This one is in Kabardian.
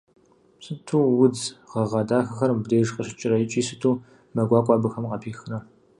Сыту удз гъэгъа дахэхэр мыбдеж къыщыкӀрэ икӀи сыту мэ гуакӀуэ абыхэм къапихрэ!